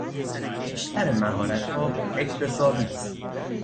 بیشتر مهارتها اکتسابی است.